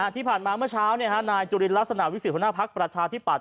ที่ผ่านมาเมื่อเช้านายจุลินลักษณะวิสิทธิหัวหน้าภักดิ์ประชาธิปัต